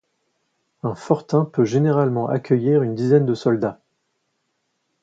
Un fortin peut généralement accueillir une dizaine de soldats.